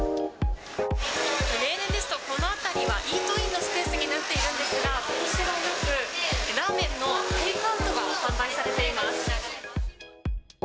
例年ですと、この辺りはイートインのスペースになっているんですが、こちらです、ラーメンのテイクアウトが販売されています。